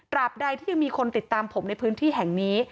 บใดที่ยังมีคนติดตามผมในพื้นที่แห่งนี้